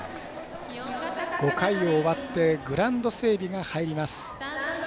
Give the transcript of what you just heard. ５回を終わってグラウンド整備が入ります。